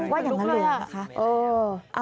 ว่าอย่างนั้นเหลือเหรอคะ